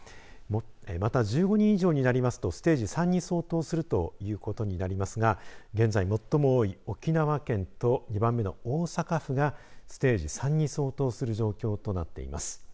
また、１５人以上になるとステージ３に相当するということになりますが現在最も多い沖縄県と２番目の大阪府がステージ３に相当する状況となっています。